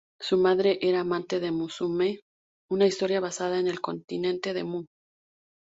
Su madre era amante de "Musume", una historia basada en el continente de Mu.